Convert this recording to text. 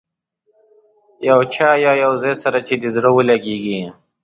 یو چا یا یو ځای سره چې دې زړه ولګېږي.